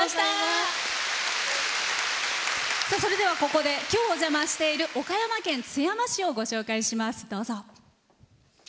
それでは、ここで今日、お邪魔している岡山県津山市をご紹介します。